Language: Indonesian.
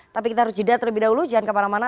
tapi kita harus jeda terlebih dahulu jangan kemana mana